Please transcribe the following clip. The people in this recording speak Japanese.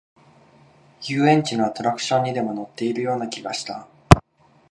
遊園地のアトラクションにでも乗っているような気がした